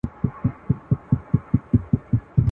نن یاغي یم له زندانه ځنځیرونه ښخومه.